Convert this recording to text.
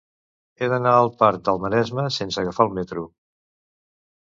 He d'anar al parc del Maresme sense agafar el metro.